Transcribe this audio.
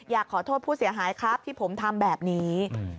อยากขอโทษผู้เสียหายครับที่ผมทำแบบนี้